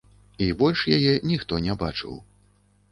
І больш яе ніхто не бачыў.